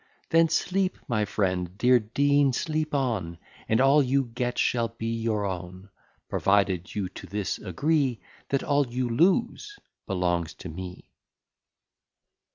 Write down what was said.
Then sleep, my friend; dear Dean, sleep on, And all you get shall be your own; Provided you to this agree, That all you lose belongs to me.